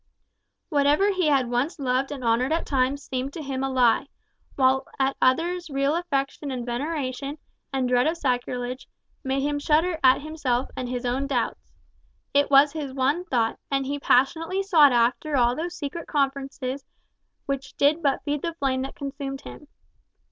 Whatever he had once loved and honoured at times seemed to him a lie, while at others real affection and veneration, and dread of sacrilege, made him shudder at himself and his own doubts! It was his one thought, and he passionately sought after all those secret conferences which did but feed the flame that consumed him.